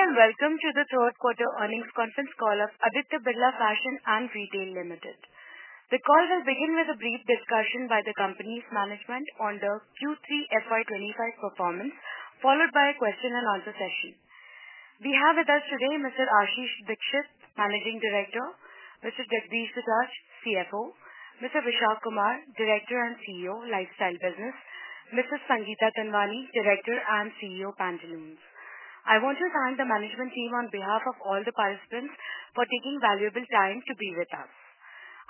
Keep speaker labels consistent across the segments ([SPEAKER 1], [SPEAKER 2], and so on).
[SPEAKER 1] Welcome to the third quarter earnings conference call of Aditya Birla Fashion and Retail Limited. The call will begin with a brief discussion by the company's management on the Q3 FY 2025 performance, followed by a question-and-answer session. We have with us today Mr. Ashish Dikshit, Managing Director, Mr. Jagdish Bajaj, CFO, Mr. Vishak Kumar, Director and CEO, Lifestyle Business, Mrs. Sangeeta Pendurkar, Director and CEO, Pantaloons. I want to thank the management team on behalf of all the participants for taking valuable time to be with us.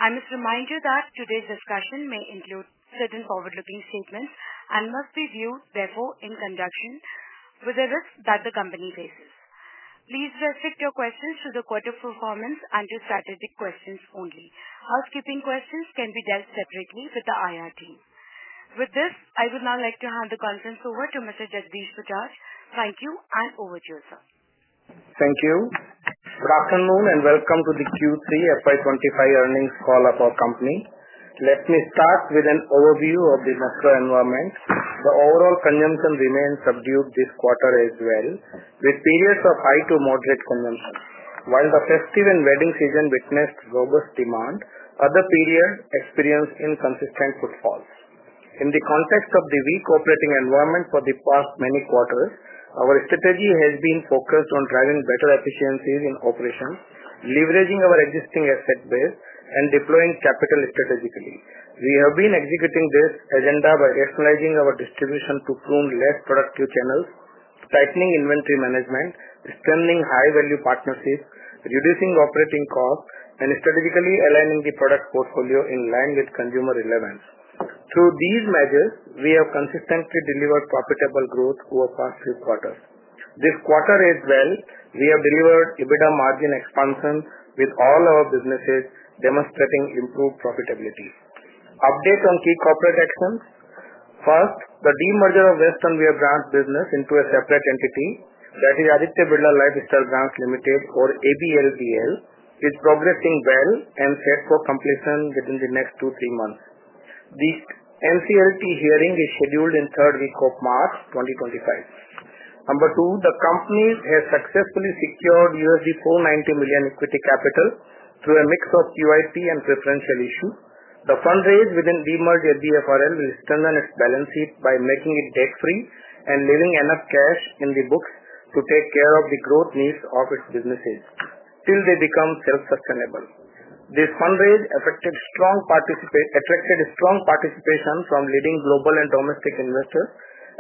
[SPEAKER 1] I must remind you that today's discussion may include certain forward-looking statements and must be viewed, therefore, in conjunction with the risks that the company faces. Please restrict your questions to the quarter performance and to strategic questions only. Housekeeping questions can be dealt separately with the IR team. With this, I would now like to hand the conference over to Mr. Jagdish Bajaj. Thank you, and over to yourself.
[SPEAKER 2] Thank you. Good afternoon, and welcome to the Q3 FY 2025 earnings call of our company. Let me start with an overview of the macro environment. The overall consumption remained subdued this quarter as well, with periods of high to moderate consumption. While the festive and wedding season witnessed robust demand, other periods experienced inconsistent footfalls. In the context of the weak operating environment for the past many quarters, our strategy has been focused on driving better efficiencies in operations, leveraging our existing asset base, and deploying capital strategically. We have been executing this agenda by rationalizing our distribution to prune less productive channels, tightening inventory management, strengthening high-value partnerships, reducing operating costs, and strategically aligning the product portfolio in line with consumer relevance. Through these measures, we have consistently delivered profitable growth over the past three quarters. This quarter as well, we have delivered EBITDA margin expansion with all our businesses, demonstrating improved profitability. Update on key corporate actions. First, the demerger of western wear brand business into a separate entity, that is Aditya Birla Lifestyle Brands Limited, or ABLBL, is progressing well and set for completion within the next two, three months. The NCLT hearing is scheduled in the third week of March 2025. Number two, the company has successfully secured $490 million equity capital through a mix of QIP and preferential issue. The fundraise within demerged ABFRL will strengthen its balance sheet by making it debt-free and leaving enough cash in the books to take care of the growth needs of its businesses till they become self-sustainable. This fundraise attracted strong participation from leading global and domestic investors,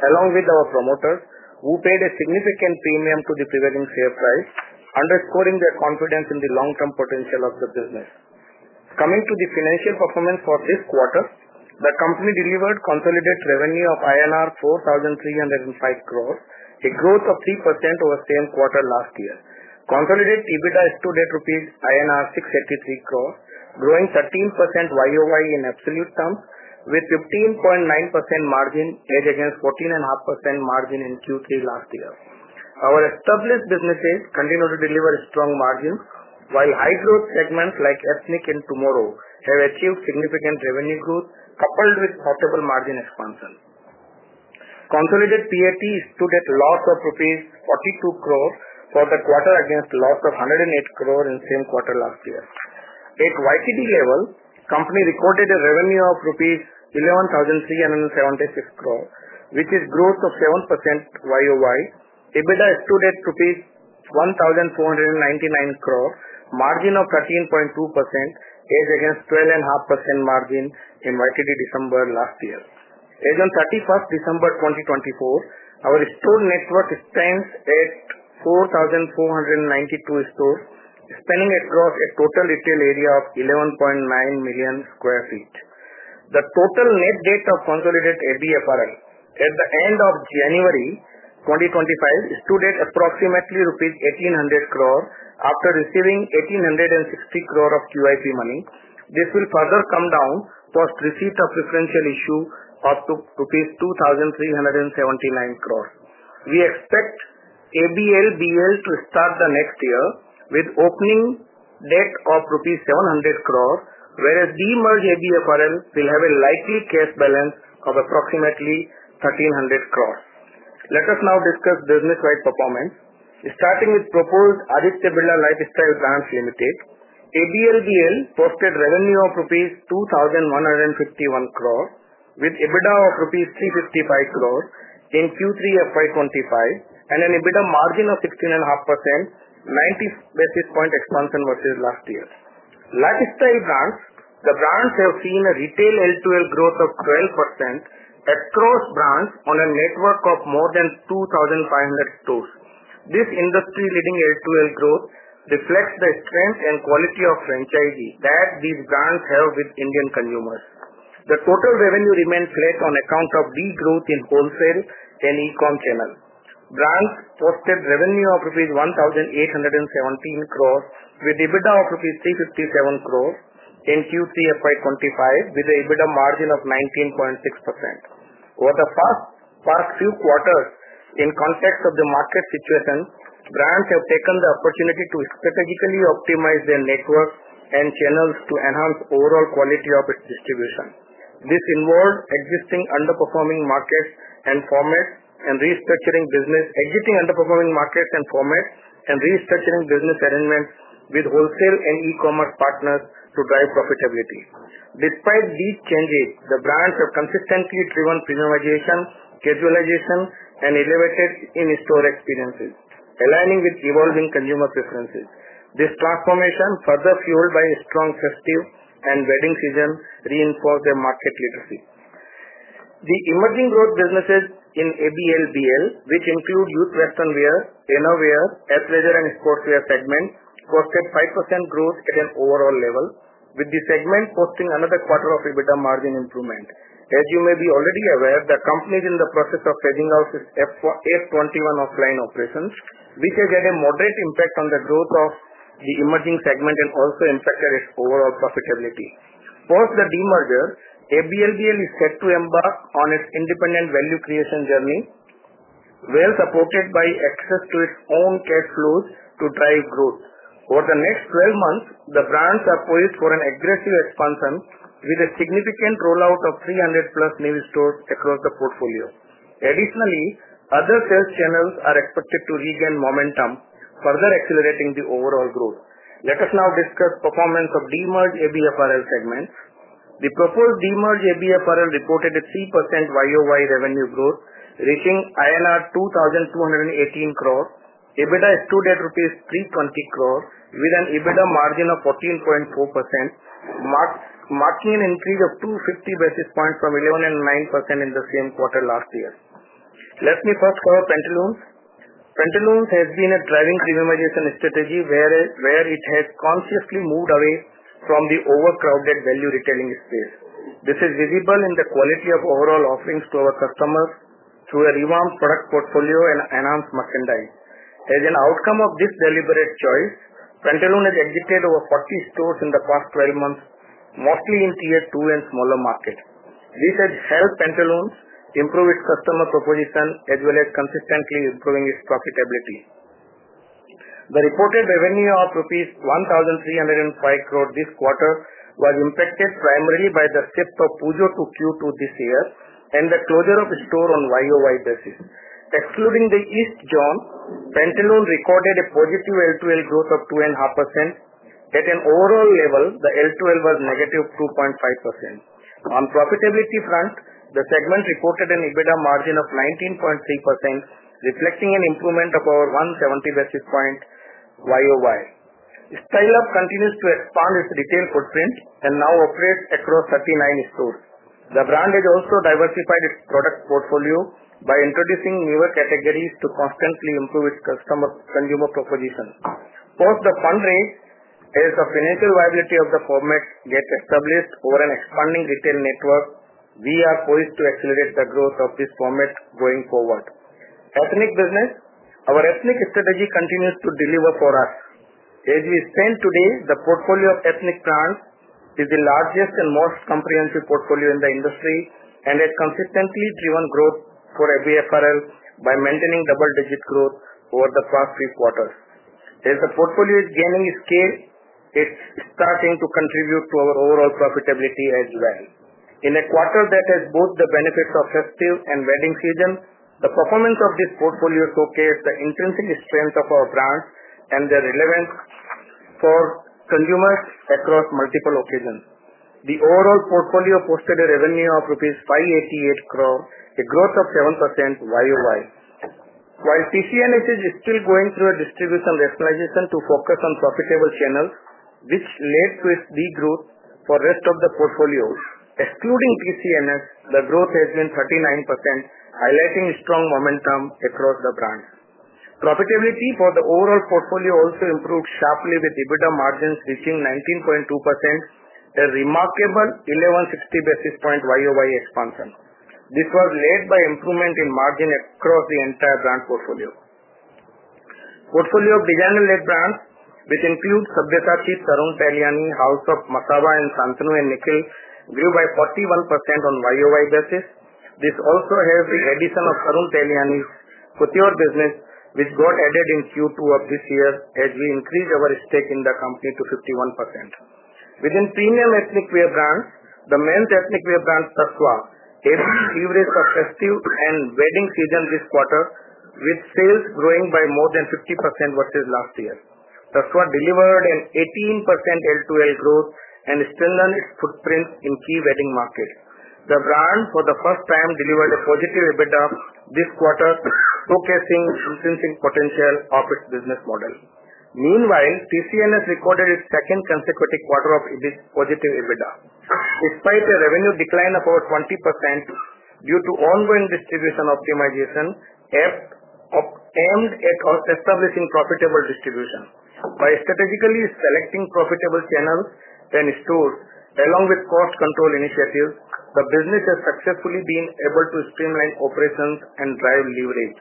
[SPEAKER 2] along with our promoters, who paid a significant premium to the prevailing share price, underscoring their confidence in the long-term potential of the business. Coming to the financial performance for this quarter, the company delivered consolidated revenue of INR 4,305 crores, a growth of 3% over the same quarter last year. Consolidated EBITDA is today INR 683 crores, growing 13% YoY in absolute terms, with 15.9% margin against 14.5% margin in Q3 last year. Our established businesses continue to deliver strong margins, while high-growth segments like ethnic and TMRW have achieved significant revenue growth coupled with profitable margin expansion. Consolidated PAT is today loss of rupees 42 crores for the quarter against loss of 108 crores in the same quarter last year. At YTD level, the company recorded a revenue of rupees 11,376 crores, which is a growth of 7% YoY. EBITDA is today rupees 1,499 crores, margin of 13.2% against 12.5% margin in YTD December last year. As of 31st December 2024, our store network stands at 4,492 stores, spanning across a total retail area of 11.9 million sq ft. The total net debt of consolidated ABFRL at the end of January 2025 is today approximately rupees 1,800 crores after receiving 1,860 crores of QIP money. This will further come down post receipt of preferential issue up to INR 2,379 crores. We expect ABLBL to start the next year with an opening debt of rupees 700 crores, whereas demerged ABFRL will have a likely cash balance of approximately 1,300 crores. Let us now discuss business-wide performance. Starting with proposed Aditya Birla Lifestyle Brands Limited, ABLBL posted revenue of rupees 2,151 crores with EBITDA of rupees 355 crores in Q3 FY 2025 and an EBITDA margin of 16.5%, 90 basis point expansion versus last year. Lifestyle Brands, the brands have seen a retail L2L growth of 12% across brands on a network of more than 2,500 stores. This industry-leading L2L growth reflects the strength and quality of franchise that these brands have with Indian consumers. The total revenue remained flat on account of the growth in wholesale and e-com channel. Brands posted revenue of rupees 1,817 crores with EBITDA of rupees 357 crores in Q3 FY 2025 with an EBITDA margin of 19.6%. Over the past few quarters, in context of the market situation, brands have taken the opportunity to strategically optimize their network and channels to enhance overall quality of its distribution. This involves exiting underperforming markets and formats and restructuring business arrangements with wholesale and e-commerce partners to drive profitability. Despite these changes, the brand has consistently driven premiumization, casualization, and elevated in-store experiences, aligning with evolving consumer preferences. This transformation, further fueled by strong festive and wedding season, reinforced their market leadership. The emerging growth businesses in ABLBL, which include youth western wear, innerwear, athleisure, and sportswear segments, posted 5% growth at an overall level, with the segment posting another quarter of EBITDA margin improvement. As you may be already aware, the company is in the process of phasing out its F21 offline operations, which has had a moderate impact on the growth of the emerging segment and also impacted its overall profitability. Post the demerger, ABLBL is set to embark on its independent value creation journey, well supported by access to its own cash flows to drive growth. Over the next 12 months, the brand is poised for an aggressive expansion with a significant rollout of 300-plus new stores across the portfolio. Additionally, other sales channels are expected to regain momentum, further accelerating the overall growth. Let us now discuss the performance of demerged ABFRL segments. The proposed demerged ABFRL reported a 3% YoY revenue growth, reaching INR 2,218 crores. EBITDA is today rupees 320 crores, with an EBITDA margin of 14.4%, marking an increase of 250 basis points from 11.9% in the same quarter last year. Let me first cover Pantaloons. Pantaloons has been a driving premiumization strategy, where it has consciously moved away from the overcrowded value retailing space. This is visible in the quality of overall offerings to our customers through a revamped product portfolio and enhanced merchandise. As an outcome of this deliberate choice, Pantaloons has exited over 40 stores in the past 12 months, mostly in Tier 2 and smaller markets. This has helped Pantaloons improve its customer proposition as well as consistently improving its profitability. The reported revenue of rupees 1,305 crores this quarter was impacted primarily by the shift of Pujo to Q2 this year and the closure of stores on YoY basis. Excluding the East Zone, Pantaloons recorded a positive L2L growth of 2.5%. At an overall level, the L2L was -2.5%. On the profitability front, the segment reported an EBITDA margin of 19.3%, reflecting an improvement of over 170 basis point YoY. Style Up continues to expand its retail footprint and now operates across 39 stores. The brand has also diversified its product portfolio by introducing newer categories to constantly improve its consumer proposition. Post the fundraise, as the financial viability of the format gets established over an expanding retail network, we are poised to accelerate the growth of this format going forward. Ethnic business, our ethnic strategy continues to deliver for us. As we stand today, the portfolio of ethnic brands is the largest and most comprehensive portfolio in the industry, and it has consistently driven growth for ABFRL by maintaining double-digit growth over the past three quarters. As the portfolio is gaining scale, it's starting to contribute to our overall profitability as well. In a quarter that has both the benefits of festive and wedding season, the performance of this portfolio showcased the intrinsic strength of our brands and the relevance for consumers across multiple occasions. The overall portfolio posted a revenue of 588 crores rupees, a growth of 7% YoY. While TCNS is still going through a distribution rationalization to focus on profitable channels, which led to its degrowth for the rest of the portfolios. Excluding TCNS, the growth has been 39%, highlighting strong momentum across the brands. Profitability for the overall portfolio also improved sharply, with EBITDA margins reaching 19.2%, a remarkable 1160 basis points YoY expansion. This was led by improvement in margin across the entire brands portfolio. Portfolio of designer-led brands, which include Sabyasachi, Tarun Tahiliani, House of Masaba, and Shantanu & Nikhil, grew by 41% on YoY basis. This also has the addition of Tarun Tahiliani's couture business, which got added in Q2 of this year as we increased our stake in the company to 51%. Within premium ethnic wear brands, the men's ethnic wear brand, Tasva, achieved a feverish success and wedding season this quarter, with sales growing by more than 50% versus last year. Tasva delivered an 18% L2L growth and strengthened its footprint in key wedding markets. The brand, for the first time, delivered a positive EBITDA this quarter, showcasing the intrinsic potential of its business model. Meanwhile, TCNS recorded its second consecutive quarter of positive EBITDA. Despite a revenue decline of over 20% due to ongoing distribution optimization, ABFRL aimed at establishing profitable distribution. By strategically selecting profitable channels and stores, along with cost control initiatives, the business has successfully been able to streamline operations and drive leverage.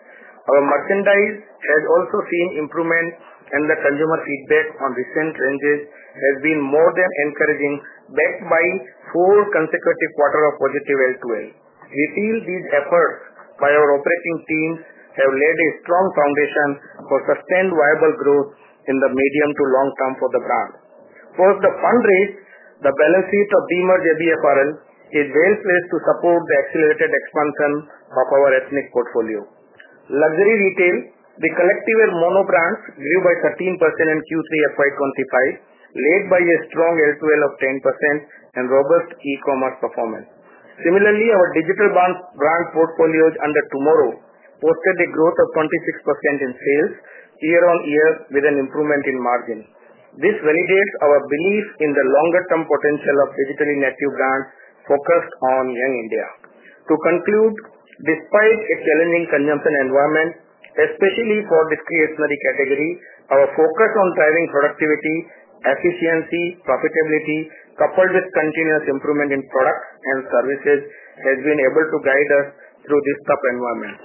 [SPEAKER 2] Our merchandise has also seen improvement, and the consumer feedback on recent ranges has been more than encouraging, backed by four consecutive quarters of positive L2L. We feel these efforts by our operating teams have laid a strong foundation for sustained viable growth in the medium to long term for the brand. Post the fundraise, the balance sheet of demerged ABFRL is well placed to support the accelerated expansion of our ethnic portfolio. Luxury retail, The Collective and mono brands, grew by 13% in Q3 FY 2025, led by a strong L2L of 10% and robust e-commerce performance. Similarly, our digital brand portfolios under TMRW posted a growth of 26% in sales year-on-year, with an improvement in margin. This validates our belief in the longer-term potential of digitally native brands focused on Young India. To conclude, despite a challenging consumption environment, especially for this discretionary category, our focus on driving productivity, efficiency, and profitability, coupled with continuous improvement in products and services, has been able to guide us through this tough environment.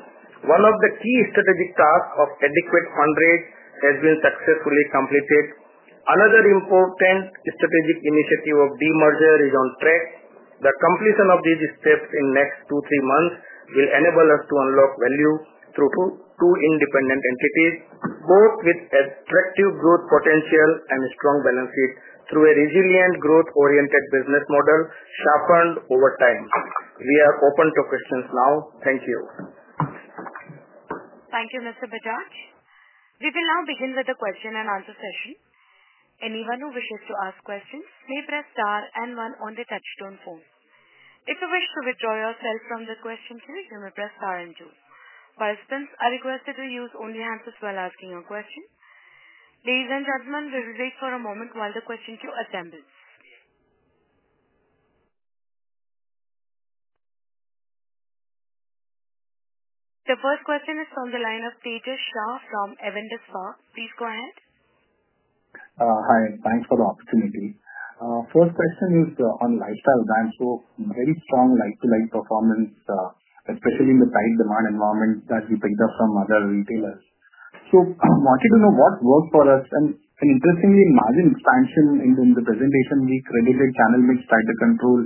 [SPEAKER 2] One of the key strategic tasks of adequate fundraise has been successfully completed. Another important strategic initiative of demerger is on track. The completion of these steps in the next two to three months will enable us to unlock value through two independent entities, both with attractive growth potential and a strong balance sheet through a resilient growth-oriented business model sharpened over time. We are open to questions now. Thank you.
[SPEAKER 1] Thank you, Mr. Bajaj. We will now begin with the question and answer session. Anyone who wishes to ask questions may press star and one on the touch-tone phone. If you wish to withdraw yourself from the question queue, you may press star and two. Participants are requested to use only the handset while asking a question. Ladies and gentlemen, we will wait for a moment while the question queue assembles. The first question is from the line of Tejas Shah from Avendus Spark. Please go ahead.
[SPEAKER 3] Hi, and thanks for the opportunity. First question is on lifestyle brands. So, very strong like-to-like performance, especially in the tight demand environment that we picked up from other retailers. So, I wanted to know what worked for us. And interestingly, margin expansion in the presentation we credited channel mix, tight control,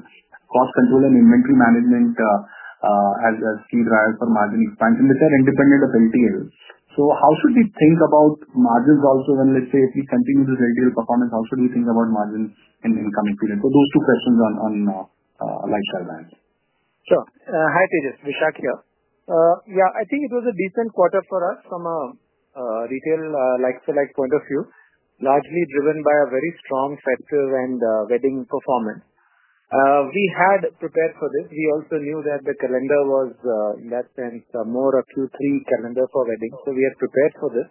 [SPEAKER 3] cost control, and inventory management as key drivers for margin expansion. They said independent of LTL. So, how should we think about margins also when, let's say, if we continue this LTL performance, how should we think about margins in the incoming period? So, those two questions on lifestyle brands.
[SPEAKER 4] Sure. Hi, Tejas. Vishak here. Yeah, I think it was a decent quarter for us from a retail like-for-like point of view, largely driven by a very strong festive and wedding performance. We had prepared for this. We also knew that the calendar was, in that sense, more a Q3 calendar for weddings. So, we had prepared for this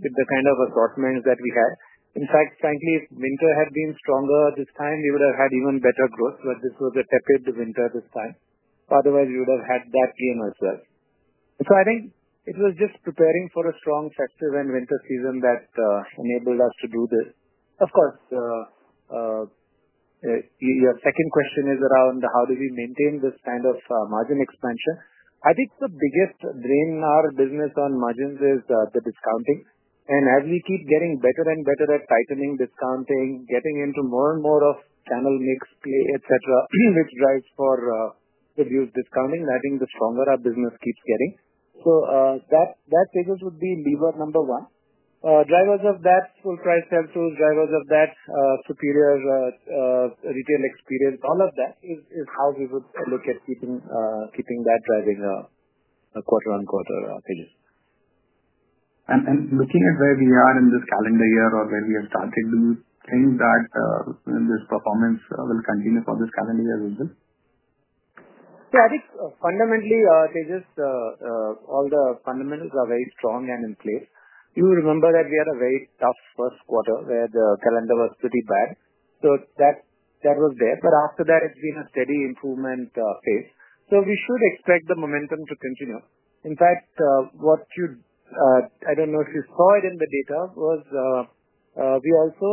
[SPEAKER 4] with the kind of assortments that we had. In fact, frankly, if winter had been stronger this time, we would have had even better growth. But this was a tepid winter this time. Otherwise, we would have had that gain as well. So, I think it was just preparing for a strong festive and winter season that enabled us to do this. Of course, your second question is around how do we maintain this kind of margin expansion. I think the biggest drain on our business on margins is the discounting. As we keep getting better and better at tightening discounting, getting into more and more of channel mixed play, etc., which drives for reduced discounting, I think the stronger our business keeps getting. So, that figure should be lever number one. Drivers of that, full-price sales tools, drivers of that superior retail experience, all of that is how we would look at keeping that driving quarter-on-quarter figures.
[SPEAKER 3] Looking at where we are in this calendar year or where we have started, do you think that this performance will continue for this calendar year as well?
[SPEAKER 4] Yeah, I think fundamentally, all the fundamentals are very strong and in place. You remember that we had a very tough first quarter where the calendar was pretty bad. So, that was there. But after that, it's been a steady improvement phase. So, we should expect the momentum to continue. In fact, I don't know if you saw it in the data, we also,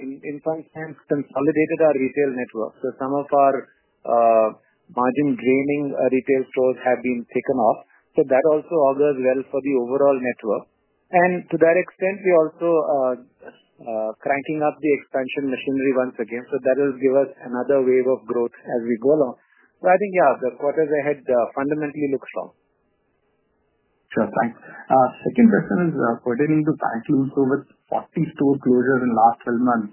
[SPEAKER 4] in some sense, consolidated our retail network. So, some of our margin-draining retail stores have been taken off. So, that also augurs well for the overall network. And to that extent, we're also cranking up the expansion machinery once again. So, that will give us another wave of growth as we go along. So, I think, yeah, the quarters ahead fundamentally look strong.
[SPEAKER 3] Sure. Thanks. Second question is pertaining to Pantaloons. So, with 40 store closures in the last 12 months,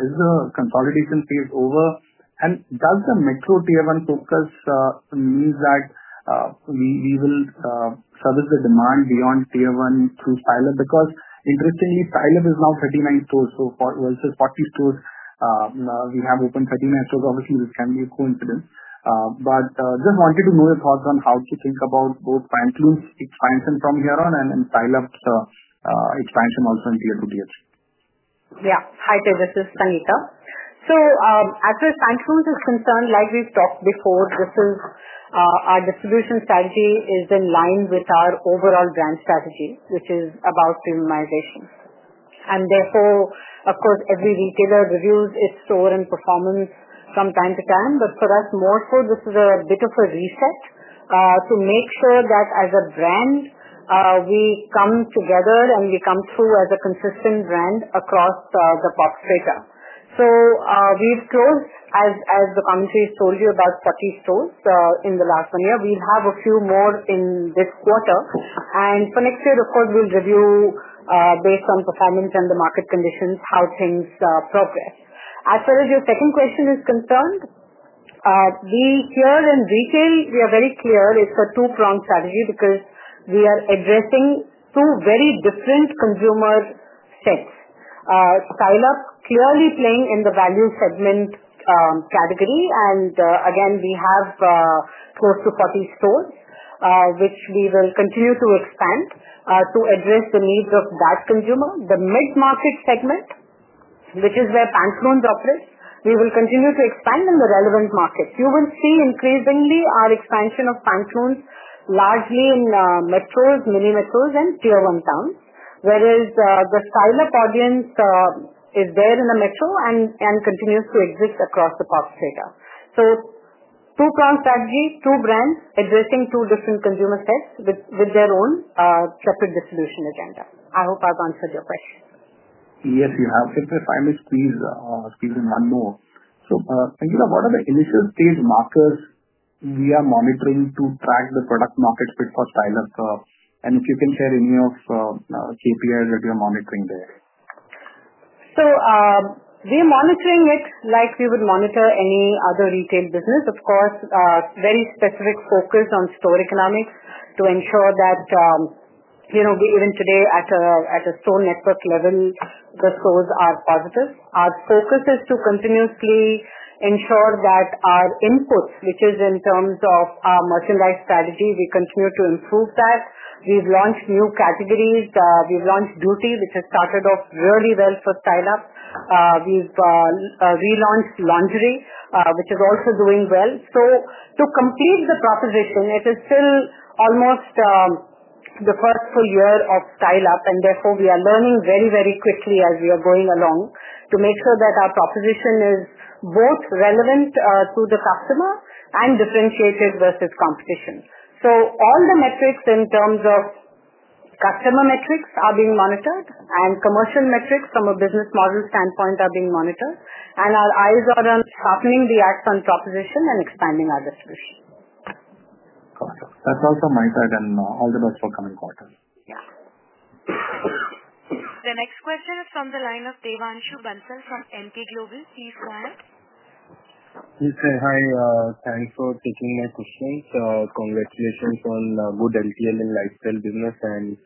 [SPEAKER 3] is the consolidation phase over? And does the micro Tier 1 focus mean that we will service the demand beyond Tier 1 through Style Up? Because interestingly, Style Up is now 39 stores. So, versus 40 stores, we have opened 39 stores. Obviously, this can be a coincidence. But just wanted to know your thoughts on how to think about both Pantaloons' expansion from here on and Style Up's expansion also in Tier 2, Tier 3.
[SPEAKER 5] Yeah. Hi, Tejas. This is Sangeeta. So, as far as Pantaloons is concerned, like we've talked before, our distribution strategy is in line with our overall brand strategy, which is about premiumization. And therefore, of course, every retailer reviews its store and performance from time to time. But for us, more so, this is a bit of a reset to make sure that as a brand, we come together and we come through as a consistent brand across the footprint. So, we've closed, as the commentary told you, about 40 stores in the last one year. We'll have a few more in this quarter. And for next year, of course, we'll review based on performance and the market conditions how things progress. As far as your second question is concerned, here in retail, we are very clear it's a two-pronged strategy because we are addressing two very different consumer sets. Style Up clearly playing in the value segment category, and again, we have close to 40 stores, which we will continue to expand to address the needs of that consumer. The mid-market segment, which is where Pantaloons operates, we will continue to expand in the relevant markets. You will see increasingly our expansion of Pantaloons largely in metros, mini-metros, and Tier 1 towns, whereas the Style Up audience is there in the metro and continues to exist across the BOP sector, so two-pronged strategy, two brands addressing two different consumer sets with their own separate distribution agenda. I hope I've answered your question.
[SPEAKER 3] Yes, you have. If I may squeeze in one more. Sangeeta, what are the initial stage markers we are monitoring to track the product market fit for Style Up? And if you can share any of the KPIs that you're monitoring there?
[SPEAKER 5] We're monitoring it like we would monitor any other retail business. Of course, very specific focus on store economics to ensure that even today at a store network level, the stores are positive. Our focus is to continuously ensure that our inputs, which is in terms of our merchandise strategy, we continue to improve that. We've launched new categories. We've launched beauty, which has started off really well for Style Up. We've relaunched lingerie, which is also doing well. To complete the proposition, it is still almost the first full year of Style Up. And therefore, we are learning very, very quickly as we are going along to make sure that our proposition is both relevant to the customer and differentiated versus competition. So, all the metrics in terms of customer metrics are being monitored, and commercial metrics from a business model standpoint are being monitored. And our eyes are on sharpening the acts on proposition and expanding our distribution.
[SPEAKER 3] Got it. That's all from my side. And all the best for coming quarter.
[SPEAKER 5] Yeah.
[SPEAKER 1] The next question is from the line of Devanshu Bansal from Emkay Global. Please go ahead.
[SPEAKER 6] Yes, hi. Thanks for taking my questions. Congratulations on good L2L and lifestyle business and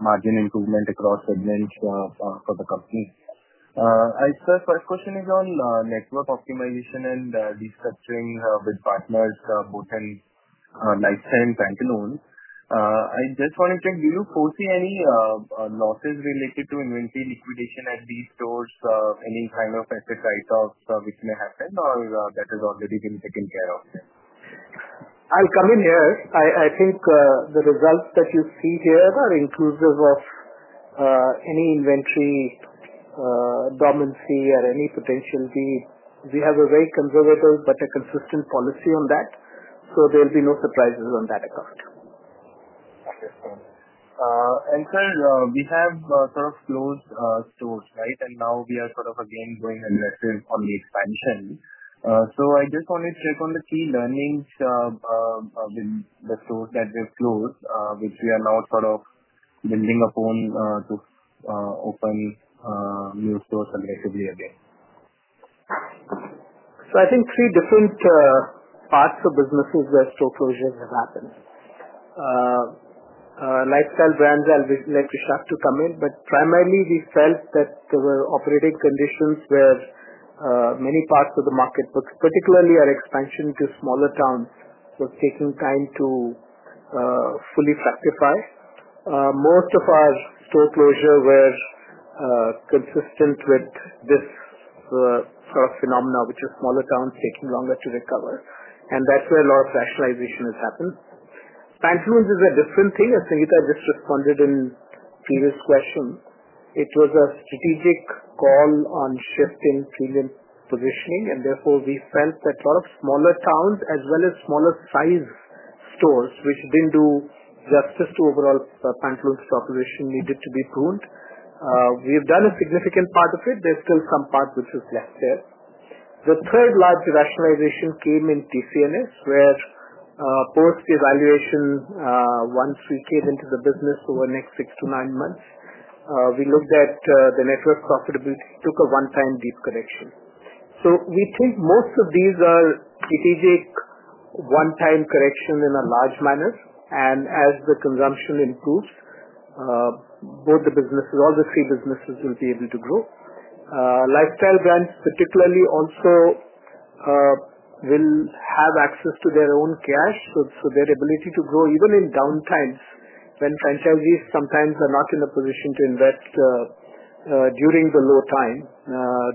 [SPEAKER 6] margin improvement across segments for the company. I'd say the first question is on network optimization and restructuring with partners, both in lifestyle and Pantaloons. I just want to check, do you foresee any losses related to inventory liquidation at these stores? Any kind of exercise of which may happen or that has already been taken care of?
[SPEAKER 2] I'll come in here. I think the results that you see here are inclusive of any inventory dormancy or any potential. We have a very conservative but consistent policy on that. So, there will be no surprises on that account.
[SPEAKER 6] Understood. And sir, we have sort of closed stores, right? And now we are sort of again going aggressive on the expansion. So, I just want to check on the key learnings with the stores that we have closed, which we are now sort of building upon to open new stores aggressively again.
[SPEAKER 2] So, I think three different parts of businesses where store closures have happened. Lifestyle brands, I'll let Vishak to come in. But primarily, we felt that there were operating conditions where many parts of the market, particularly our expansion to smaller towns, were taking time to fully fructify. Most of our store closures were consistent with this sort of phenomenon, which is smaller towns taking longer to recover. And that's where a lot of rationalization has happened. Pantaloons is a different thing, as Sangeeta just responded in the previous question. It was a strategic call on shifting premium positioning. And therefore, we felt that a lot of smaller towns, as well as smaller-sized stores, which didn't do justice to overall Pantaloons' stock position, needed to be pruned. We have done a significant part of it. There's still some part which is left there. The third large rationalization came in TCNS, where post-evaluation, once we came into the business over the next six to nine months, we looked at the network profitability, took a one-time deep correction. So, we think most of these are strategic one-time corrections in a large manner. And as the consumption improves, both the businesses, all the three businesses, will be able to grow. Lifestyle brands, particularly, also will have access to their own cash. So, their ability to grow even in downtimes when franchisees sometimes are not in a position to invest during the low time,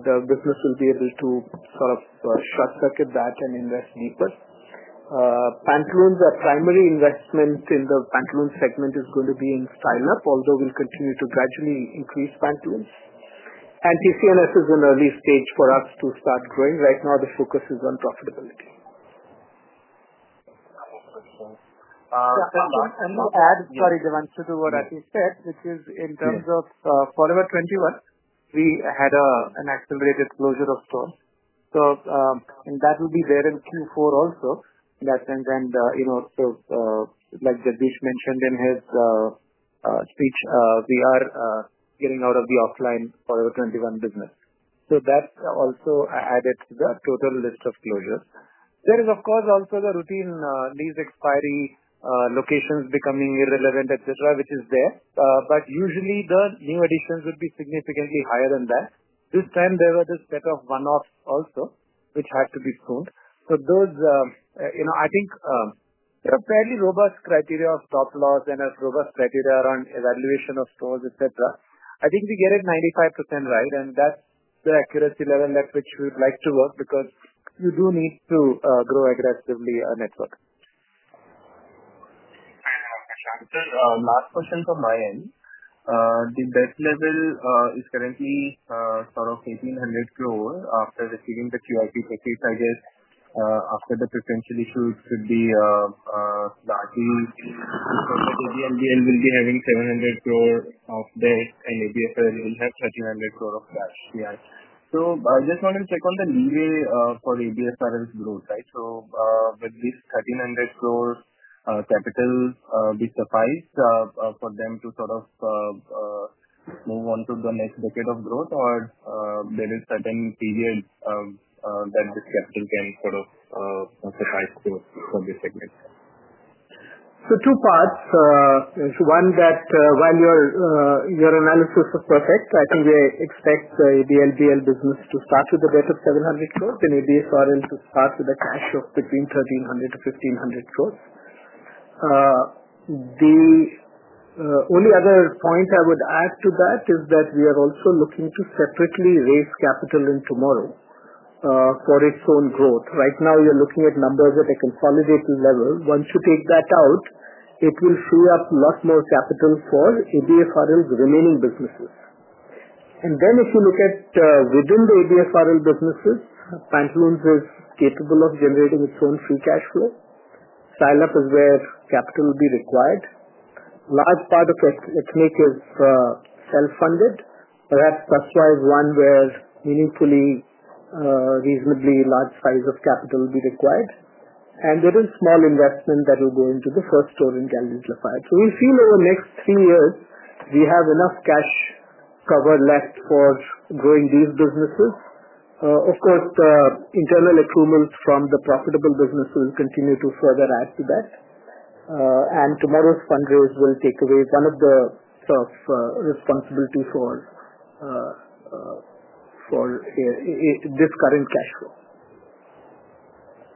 [SPEAKER 2] the business will be able to sort of short-circuit that and invest deeper. Pantaloons, our primary investment in the Pantaloons segment, is going to be in Style Up, although we'll continue to gradually increase Pantaloons. And TCNS is in an early stage for us to start growing. Right now, the focus is on profitability.
[SPEAKER 4] Yeah. And to add, sorry, Devanshu, to what Ati said, which is in terms of Forever 21, we had an accelerated closure of stores. So, and that will be there in Q4 also in that sense. And so, like Jagdish mentioned in his speech, we are getting out of the offline Forever 21 business. So, that also added to the total list of closures. There is, of course, also the routine lease expiry locations becoming irrelevant, etc., which is there. But usually, the new additions would be significantly higher than that. This time, there were the set of one-offs also, which had to be pruned. So, I think there are fairly robust criteria of stop loss and a robust criteria around evaluation of stores, etc. I think we get it 95% right. And that's the accuracy level at which we would like to work because you do need to grow aggressively a network.
[SPEAKER 6] Fair enough, Vishak. Sir, last question from my end. The debt level is currently sort of 1,800 crore after receiving the QIP package. I guess after the preferential issue, it should be largely because ABLBL will be having 700 crore of debt, and ABFRL will have 1,300 crore of cash. Yeah. So, I just wanted to check on the leeway for ABFRL's growth, right? So, with this 1,300 crore capital, will suffice for them to sort of move on to the next decade of growth, or there is a certain period that this capital can sort of suffice for this segment?
[SPEAKER 2] So, two parts. One, while your analysis is perfect, I think we expect the ABLBL business to start with a debt of 700 crore and ABFRL to start with a cash of between 1,300 crore-1,500 crore. The only other point I would add to that is that we are also looking to separately raise capital in TMRW for its own growth. Right now, you are looking at numbers at a consolidated level. Once you take that out, it will free up a lot more capital for ABFRL's remaining businesses. And then, if you look at within the ABFRL businesses, Pantaloons is capable of generating its own free cash flow. Style Up is where capital will be required. A large part of its makers are self-funded. Perhaps that is why one where meaningfully, reasonably large size of capital will be required. And there is small investment that will go into the first store in Galeries Lafayette. So, we feel over the next three years, we have enough cash cover left for growing these businesses. Of course, the internal accruals from the profitable business will continue to further add to that. And TMRW's fundraise will take away one of the sort of responsibilities for this current cash flow.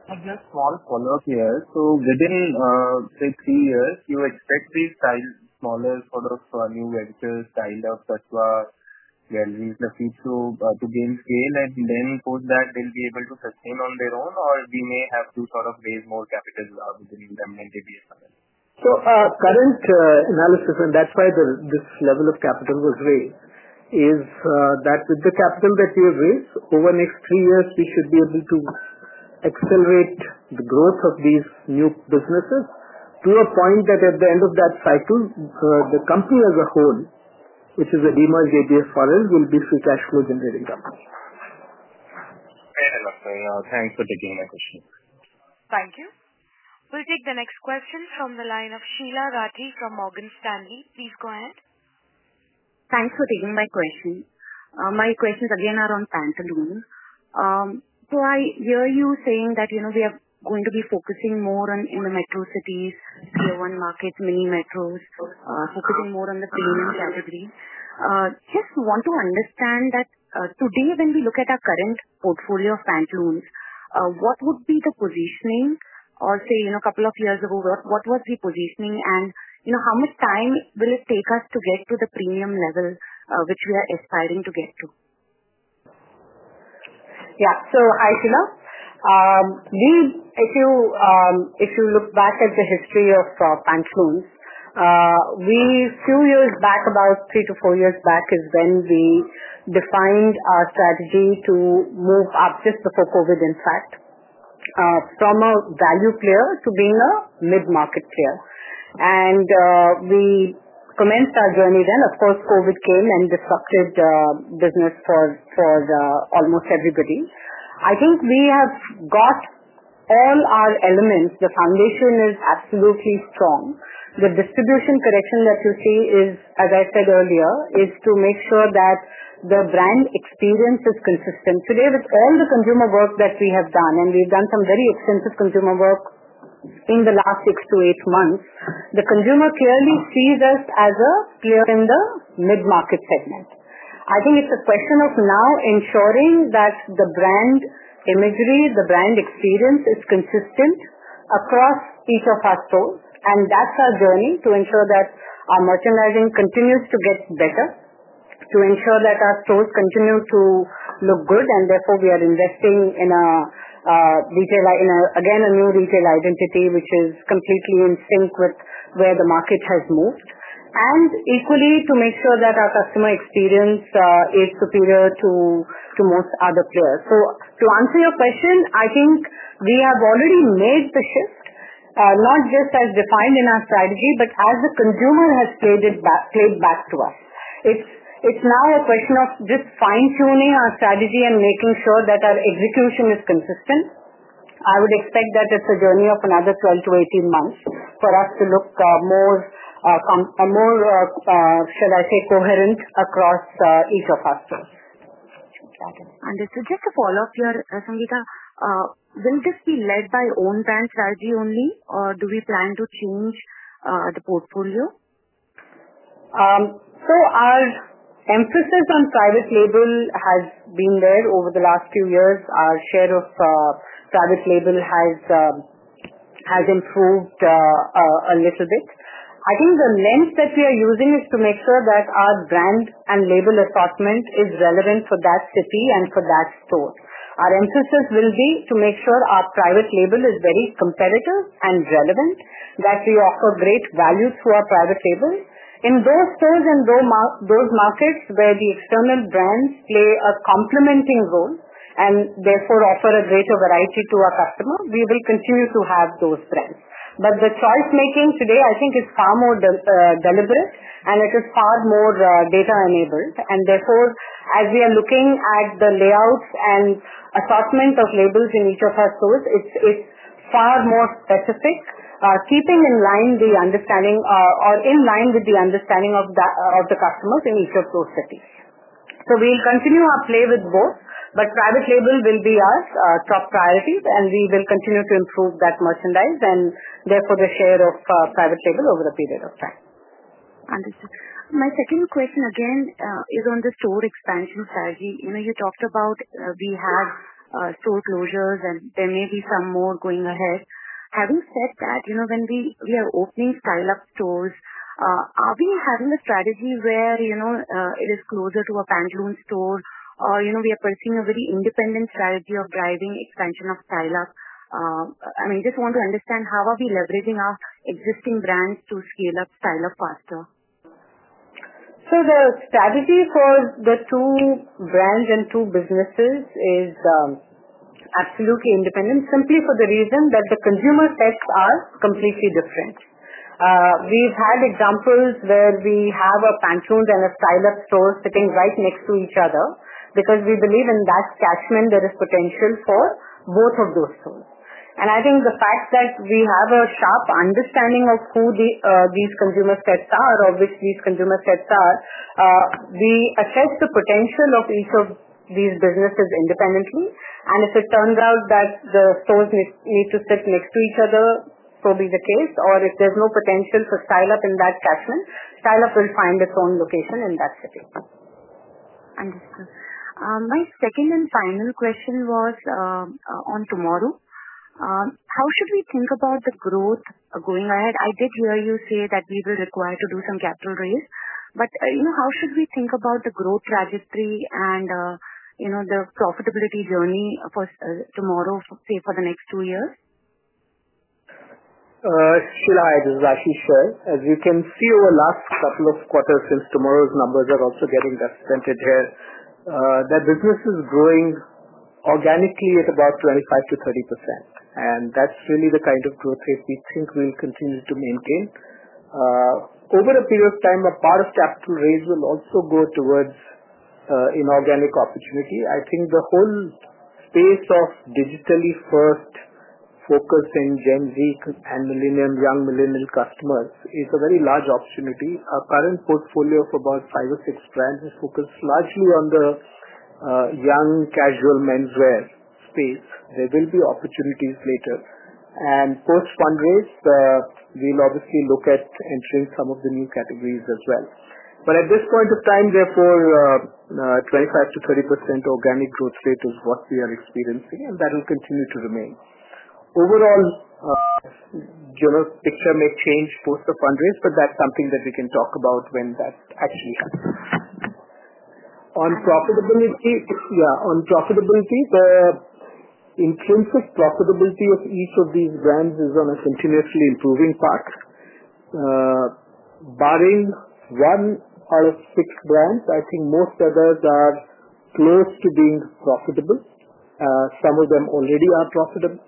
[SPEAKER 6] I'm just small follow-up here. So, within say three years, you expect these smaller sort of new ventures, Style Up, TMRW, Galeries Lafayette to gain scale and then, post that, they'll be able to sustain on their own, or we may have to sort of raise more capital within them and ABFRL?
[SPEAKER 2] So, our current analysis, and that's why this level of capital was raised, is that with the capital that we have raised, over the next three years, we should be able to accelerate the growth of these new businesses to a point that at the end of that cycle, the company as a whole, which is a demerged ABFRL, will be free cash flow generating company.
[SPEAKER 6] Fair enough, sir. Thanks for taking my question.
[SPEAKER 1] Thank you. We'll take the next question from the line of Sheela Rathi from Morgan Stanley. Please go ahead.
[SPEAKER 7] Thanks for taking my question. My questions again are on Pantaloons. So, I hear you saying that we are going to be focusing more on the metro cities, Tier 1 markets, mini-metros, focusing more on the premium category. Just want to understand that today, when we look at our current portfolio of Pantaloons, what would be the positioning? Or say a couple of years ago, what was the positioning? And how much time will it take us to get to the premium level which we are aspiring to get to?
[SPEAKER 5] Yeah. So, Sheela, if you look back at the history of Pantaloons, a few years back, about three to four years back, is when we defined our strategy to move up just before COVID, in fact, from a value player to being a mid-market player. And we commenced our journey then. Of course, COVID came and disrupted business for almost everybody. I think we have got all our elements. The foundation is absolutely strong. The distribution correction that you see is, as I said earlier, to make sure that the brand experience is consistent. Today, with all the consumer work that we have done, and we've done some very extensive consumer work in the last six to eight months, the consumer clearly sees us as a player in the mid-market segment. I think it's a question of now ensuring that the brand imagery, the brand experience is consistent across each of our stores, and that's our journey to ensure that our merchandising continues to get better, to ensure that our stores continue to look good, and therefore, we are investing in, again, a new retail identity, which is completely in sync with where the market has moved, and equally, to make sure that our customer experience is superior to most other players, so, to answer your question, I think we have already made the shift, not just as defined in our strategy, but as the consumer has played back to us. It's now a question of just fine-tuning our strategy and making sure that our execution is consistent. I would expect that it's a journey of another 12-18 months for us to look more, should I say, coherent across each of our stores.
[SPEAKER 7] Got it. Understood. Just to follow up here, Sangeeta, will this be led by own brand strategy only, or do we plan to change the portfolio?
[SPEAKER 5] So, our emphasis on private label has been there over the last few years. Our share of private label has improved a little bit. I think the lens that we are using is to make sure that our brand and label assortment is relevant for that city and for that store. Our emphasis will be to make sure our private label is very competitive and relevant, that we offer great value through our private label. In those stores and those markets where the external brands play a complementing role and therefore offer a greater variety to our customer, we will continue to have those brands. But the choice-making today, I think, is far more deliberate, and it is far more data-enabled. And therefore, as we are looking at the layouts and assortment of labels in each of our stores, it's far more specific, keeping in line the understanding or in line with the understanding of the customers in each of those cities. So, we'll continue our play with both, but private label will be our top priority, and we will continue to improve that merchandise and therefore the share of private label over a period of time.
[SPEAKER 7] Understood. My second question again is on the store expansion strategy. You talked about we have store closures, and there may be some more going ahead. Having said that, when we are opening Style Up stores, are we having a strategy where it is closer to a Pantaloons store, or we are pursuing a very independent strategy of driving expansion of Style Up? I mean, just want to understand how are we leveraging our existing brands to scale up Style Up faster?
[SPEAKER 5] So, the strategy for the two brands and two businesses is absolutely independent, simply for the reason that the consumer sets are completely different. We've had examples where we have a Pantaloons and a Style Up store sitting right next to each other because we believe in that catchment there is potential for both of those stores. And I think the fact that we have a sharp understanding of who these consumer sets are, or which these consumer sets are, we assess the potential of each of these businesses independently. And if it turns out that the stores need to sit next to each other, so be the case, or if there's no potential for Style Up in that catchment, Style Up will find its own location in that city.
[SPEAKER 7] Understood. My second and final question was on TMRW. How should we think about the growth going ahead? I did hear you say that we were required to do some capital raise. But how should we think about the growth trajectory and the profitability journey for TMRW, say, for the next two years?
[SPEAKER 2] Sheela, I'd just like to share. As you can see, over the last couple of quarters since TMRW's numbers are also getting documented here, the business is growing organically at about 25%-30%. And that's really the kind of growth rate we think we'll continue to maintain. Over a period of time, a part of capital raise will also go towards inorganic opportunity. I think the whole space of digitally-first focus in Gen Z and millennial, young millennial customers is a very large opportunity. Our current portfolio of about five or six brands is focused largely on the young casual menswear space. There will be opportunities later. And post-fundraise, we'll obviously look at entering some of the new categories as well. But at this point of time, therefore, 25%-30% organic growth rate is what we are experiencing, and that will continue to remain. Overall, general picture may change post-fundraise, but that's something that we can talk about when that actually happens. On profitability, yeah, on profitability, the intrinsic profitability of each of these brands is on a continuously improving path. Barring one out of six brands, I think most others are close to being profitable. Some of them already are profitable.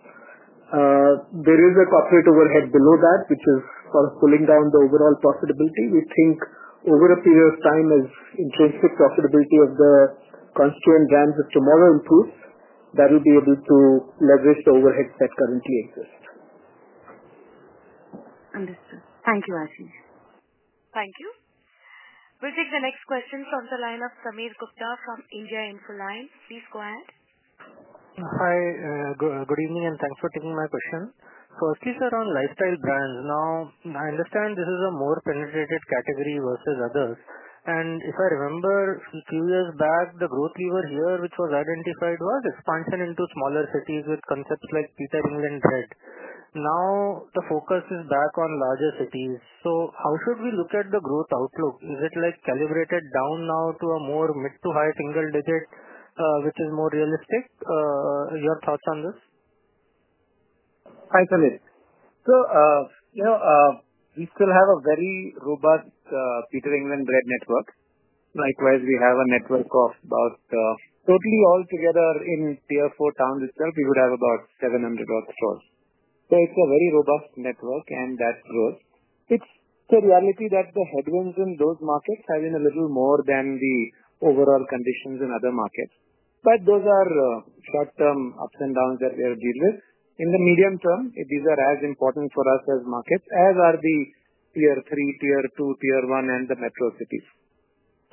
[SPEAKER 2] There is a corporate overhead below that, which is sort of pulling down the overall profitability. We think over a period of time, as intrinsic profitability of the constituent brands of TMRW improves, that we'll be able to leverage the overhead that currently exists.
[SPEAKER 7] Understood. Thank you, Jagdish.
[SPEAKER 1] Thank you. We'll take the next question from the line of Sameer Gupta from India Infoline. Please go ahead.
[SPEAKER 8] Hi. Good evening, and thanks for taking my question. So, asking around lifestyle brands. Now, I understand this is a more penetrated category versus others. And if I remember, a few years back, the growth lever here which was identified was expansion into smaller cities with concepts like Peter England. Now, the focus is back on larger cities. So, how should we look at the growth outlook? Is it calibrated down now to a more mid to high single digit, which is more realistic? Your thoughts on this?
[SPEAKER 4] Absolutely. So, we still have a very robust Peter England network. Likewise, we have a network of about. Totally altogether in Tier 4 towns itself, we would have about 700-odd stores. So, it's a very robust network, and that grows. It's the reality that the headwinds in those markets have been a little more than the overall conditions in other markets. But those are short-term ups and downs that we have dealt with. In the medium term, these are as important for us as markets, as are the Tier 3, Tier 2, Tier 1, and the metro cities.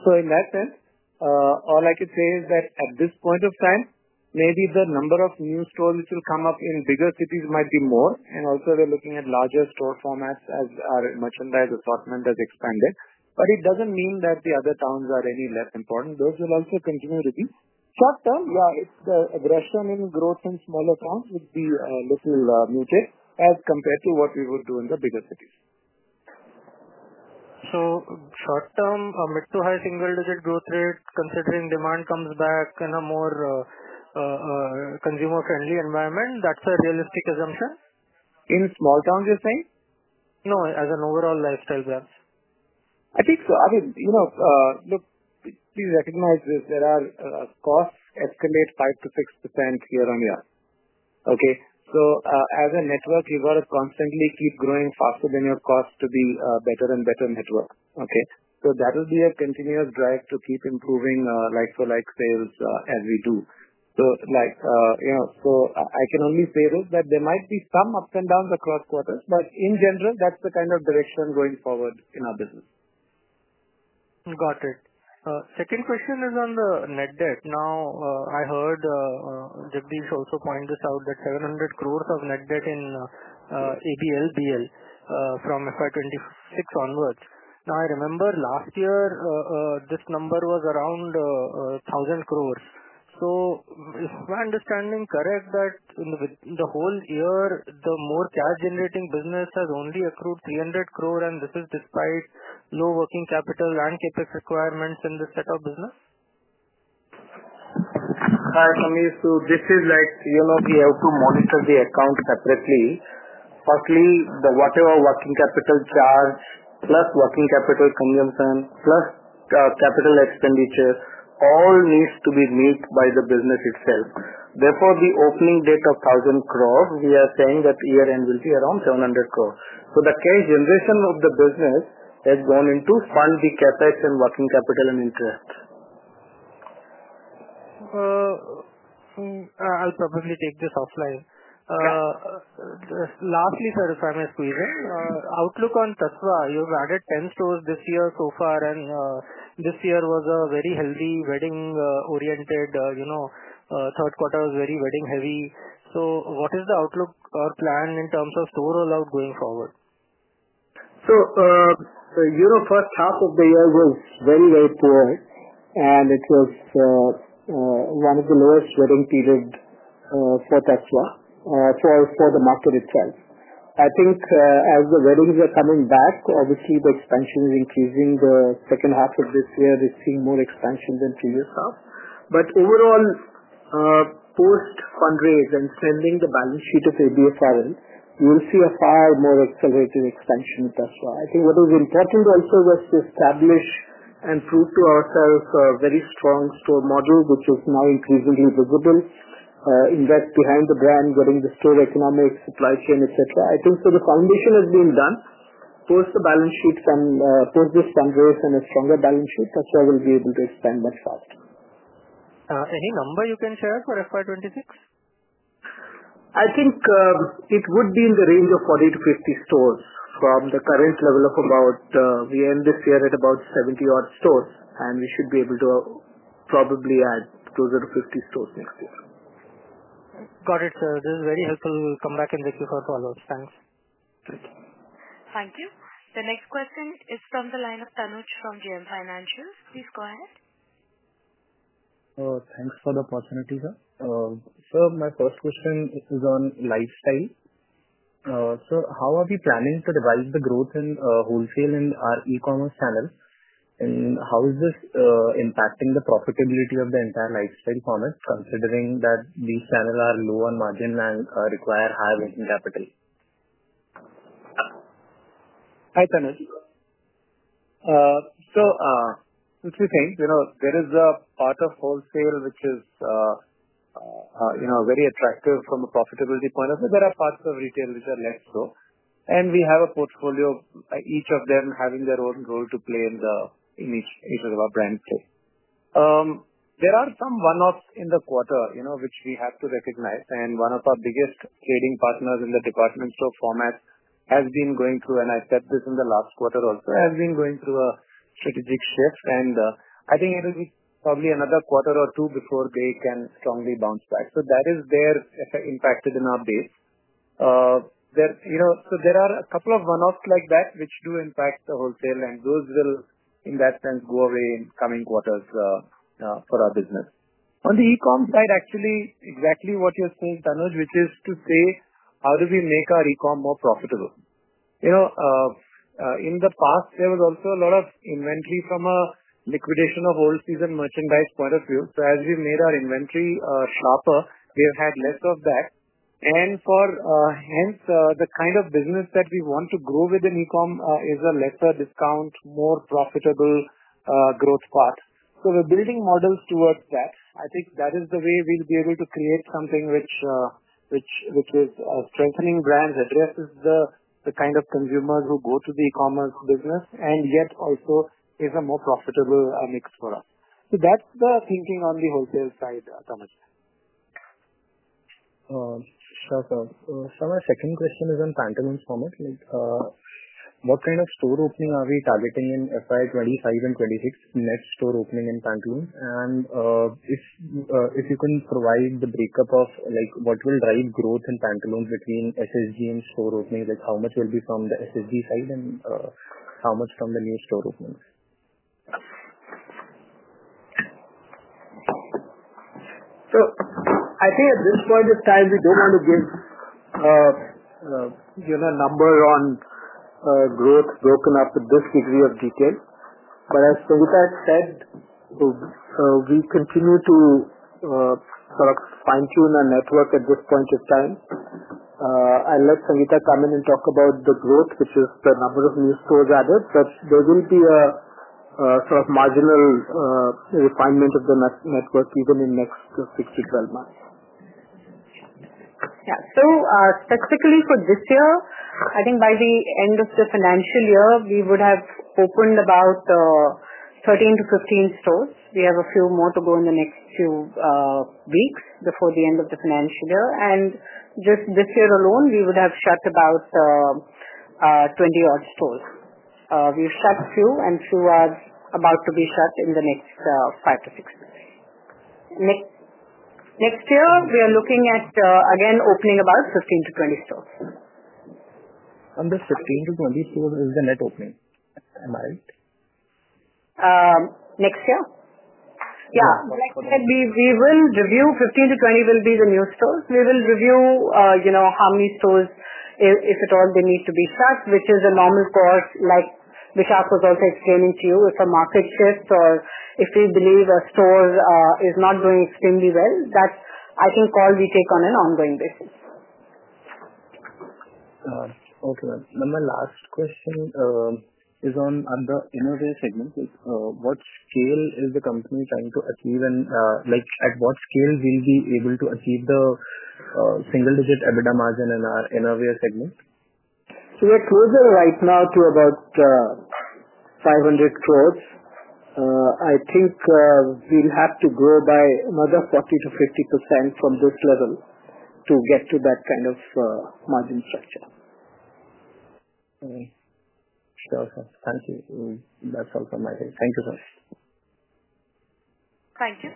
[SPEAKER 4] So, in that sense, all I could say is that at this point of time, maybe the number of new stores which will come up in bigger cities might be more. And also, we're looking at larger store formats as our merchandise assortment has expanded. But it doesn't mean that the other towns are any less important. Those will also continue to be. Short term, yeah, the aggression in growth in smaller towns would be a little muted as compared to what we would do in the bigger cities.
[SPEAKER 8] So, short term, mid to high single digit growth rate, considering demand comes back in a more consumer-friendly environment, that's a realistic assumption?
[SPEAKER 4] In small towns, you're saying?
[SPEAKER 8] No, as an overall lifestyle brand.
[SPEAKER 4] I think so. I mean, look, please recognize this. There are costs escalate 5%-6% year on year. Okay? So, as a network, you've got to constantly keep growing faster than your costs to be a better and better network. Okay? So, that will be a continuous drive to keep improving like-to-like sales as we do. So, I can only say this that there might be some ups and downs across quarters, but in general, that's the kind of direction going forward in our business.
[SPEAKER 8] Got it. Second question is on the net debt. Now, I heard Jagdish also point this out, that 700 crores of net debt in ABLBL from FY 2026 onwards. Now, I remember last year, this number was around 1,000 crores. So, if my understanding correct, that in the whole year, the more cash-generating business has only accrued 300 crore, and this is despite low working capital and CapEx requirements in this set of business?
[SPEAKER 9] Hi, Sameer. So, this is like we have to monitor the account separately. Firstly, the whatever working capital charge plus working capital consumption plus capital expenditure all needs to be met by the business itself. Therefore, the opening debt of 1,000 crore, we are saying that year-end will be around 700 crore. So, the cash generation of the business has gone to fund the CapEx and working capital and interest.
[SPEAKER 8] I'll probably take this offline. Lastly, sir, if I may squeeze in, outlook on Tasva, you've added 10 stores this year so far, and this year was a very healthy wedding-oriented. Third quarter was very wedding-heavy. So, what is the outlook or plan in terms of store rollout going forward?
[SPEAKER 2] So, first half of the year was very, very poor, and it was one of the lowest wedding periods for Tasva for the market itself. I think as the weddings are coming back, obviously, the expansion is increasing. The second half of this year, we're seeing more expansion than previous half. But overall, post-fundraise and strengthening the balance sheet of ABFRL, you'll see a far more accelerated expansion in Tasva. I think what is important also was to establish and prove to ourselves a very strong store model, which is now increasingly visible, invest behind the brand, getting the store economics, supply chain, etc. I think so the foundation has been done. Post the balance sheet and post this fundraise and a stronger balance sheet, Tasva will be able to expand much faster.
[SPEAKER 8] Any number you can share for FY 2026?
[SPEAKER 9] I think it would be in the range of 40-50 stores from the current level of about we end this year at about 70-odd stores, and we should be able to probably add closer to 50 stores next year.
[SPEAKER 8] Got it, sir. This is very helpful. We'll come back and take you for follow-ups. Thanks.
[SPEAKER 1] Thank you. The next question is from the line of Tanuj from JM Financial. Please go ahead.
[SPEAKER 10] Thanks for the opportunity, sir. Sir, my first question is on lifestyle. Sir, how are we planning to revise the growth in wholesale in our e-commerce channel? And how is this impacting the profitability of the entire lifestyle format, considering that these channels are low on margin and require high working capital?
[SPEAKER 4] Hi, Tanuj. So, as we're saying, there is a part of wholesale which is very attractive from a profitability point of view. There are parts of retail which are less so, and we have a portfolio of each of them having their own role to play in each of our brand play. There are some one-offs in the quarter, which we have to recognize, and one of our biggest trading partners in the department store format has been going through, and I said this in the last quarter also, has been going through a strategic shift. And I think it will be probably another quarter or two before they can strongly bounce back, so that has impacted our base. So, there are a couple of one-offs like that which do impact the wholesale, and those will, in that sense, go away in coming quarters for our business. On the e-com side, actually, exactly what you're saying, Tanuj, which is to say, how do we make our e-com more profitable? In the past, there was also a lot of inventory from a liquidation of old season merchandise point of view. So, as we've made our inventory sharper, we've had less of that. And hence, the kind of business that we want to grow within e-com is a lesser discount, more profitable growth path. So, we're building models towards that. I think that is the way we'll be able to create something which is strengthening brands, addresses the kind of consumers who go to the e-commerce business, and yet also is a more profitable mix for us. So, that's the thinking on the wholesale side, Tanuj.
[SPEAKER 10] Sure, sir. Sir, my second question is on Pantaloons format. What kind of store opening are we targeting in FY 2025 and 2026, net store opening in Pantaloons? If you can provide the breakup of what will drive growth in Pantaloons between SSG and store opening, how much will be from the SSG side and how much from the new store openings?
[SPEAKER 2] So, I think at this point of time, we don't want to give a number on growth broken up with this degree of detail. But as Sangeeta has said, we continue to sort of fine-tune our network at this point of time. I'll let Sangeeta come in and talk about the growth, which is the number of new stores added. But there will be a sort of marginal refinement of the network even in the next six to 12 months.
[SPEAKER 5] Yeah. So, specifically for this year, I think by the end of the financial year, we would have opened about 13-15 stores. We have a few more to go in the next few weeks before the end of the financial year. And just this year alone, we would have shut about 20-odd stores. We've shut a few, and a few are about to be shut in the next 5-6 months. Next year, we are looking at, again, opening about 15-20 stores.
[SPEAKER 10] Under 15-20 stores is the net opening, am I right?
[SPEAKER 5] Next year? Yeah. Like I said, we will review 15-20 will be the new stores. We will review how many stores, if at all, they need to be shut, which is a normal course, like Vishak was also explaining to you. If a market shifts or if we believe a store is not doing extremely well, that's, I think, all we take on an ongoing basis.
[SPEAKER 10] Okay. Then my last question is on the innerwear segment. What scale is the company trying to achieve, and at what scale will we be able to achieve the single-digit EBITDA margin in our innerwear segment?
[SPEAKER 2] So, we're closer right now to about 500 crores. I think we'll have to grow by another 40%-50% from this level to get to that kind of margin structure.
[SPEAKER 10] Sure, sir. Thank you. That's all from my side. Thank you, sir.
[SPEAKER 1] Thank you.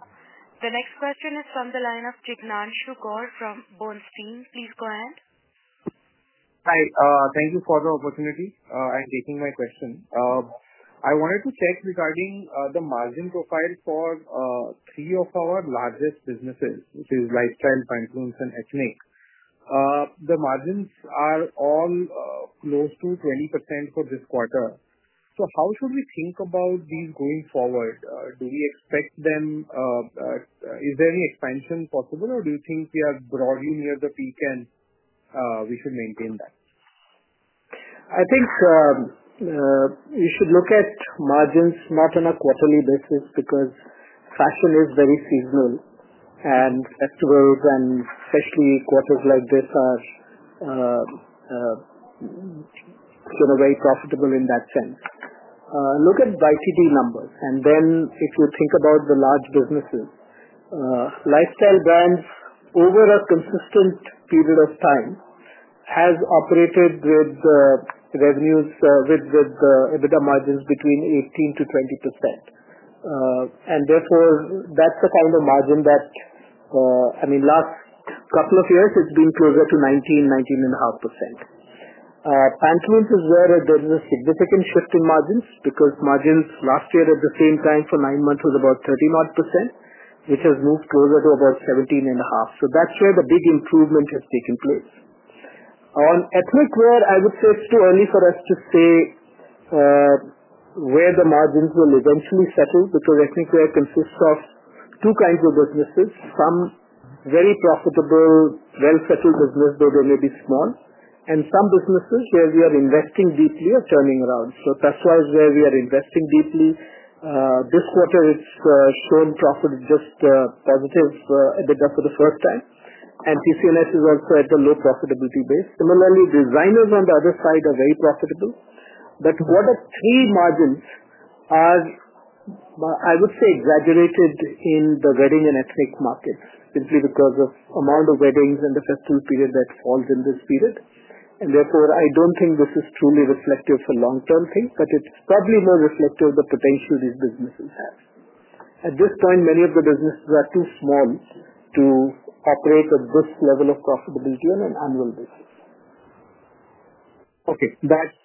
[SPEAKER 1] The next question is from the line of Jignanshu Gor from Bernstein. Please go ahead.
[SPEAKER 11] Hi. Thank you for the opportunity. I'm taking my question. I wanted to check regarding the margin profile for three of our largest businesses, which are Lifestyle, Pantaloons, and ethnic. The margins are all close to 20% for this quarter. So, how should we think about these going forward? Do we expect them? Is there any expansion possible, or do you think we are broadly near the peak and we should maintain that?
[SPEAKER 2] I think we should look at margins not on a quarterly basis because fashion is very seasonal, and festivals and especially quarters like this are very profitable in that sense. Look at YTD numbers, and then if you think about the large businesses, Lifestyle brands over a consistent period of time have operated with revenues with EBITDA margins between 18%-20%. And therefore, that's the kind of margin that, I mean, last couple of years, it's been closer to 19%, 19.5%. Pantaloons is where there is a significant shift in margins because margins last year at the same time for nine months was about 30%, which has moved closer to about 17.5%. So, that's where the big improvement has taken place. On ethnic, I would say it's too early for us to say where the margins will eventually settle because ethnic consists of two kinds of businesses. Some very profitable, well-settled businesses where they may be small, and some businesses where we are investing deeply are turning around. So, Tasva is where we are investing deeply. This quarter, it's shown just positive EBITDA for the first time. And TCNS is also at the low profitability base. Similarly, designers on the other side are very profitable. But Q3 margins are, I would say, exaggerated in the wedding and ethnic markets simply because of the amount of weddings and the festival period that falls in this period. And therefore, I don't think this is truly reflective for long-term things, but it's probably more reflective of the potential these businesses have. At this point, many of the businesses are too small to operate at this level of profitability on an annual basis.
[SPEAKER 11] Okay. That's